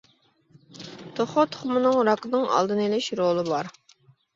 توخۇ تۇخۇمىنىڭ راكنىڭ ئالدىنى ئېلىش رولى بار.